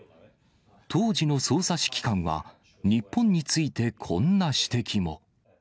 当時の捜査指揮官は日本についてこんな指摘も。